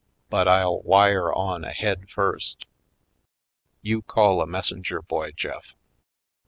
But I'll wire on ahead first. You call a messenger boy, Jeff."